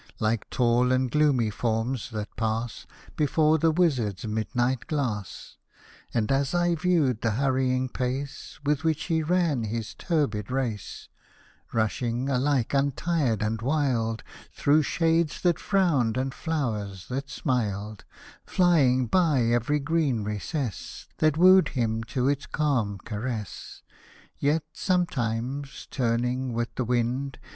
Like tall and gloomy forms that pass Before the wizard's midnight glass ; And as I viewed the hurrying pace With which he ran his turbid race, Rushing, alike untired and wild, Through shades that frowned and flowers that smiled, Flying by every green recess That wooed him to its calm caress. Yet, sometimes turning with the wind.